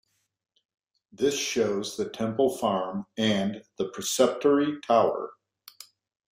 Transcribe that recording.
This shows the Temple Farm and the Preceptory tower.